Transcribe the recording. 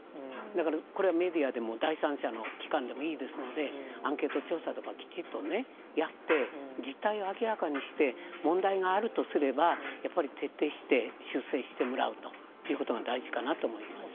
だから、これはメディアでも第三者の機関でもいいですので、アンケート調査とかきちっとね、やって、実態を明らかにして、問題があるとすれば、やっぱり徹底して修正してもらうということが大事かなと思います。